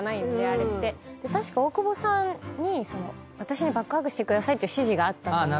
確か大久保さんに私にバックハグしてくださいっていう指示があったと。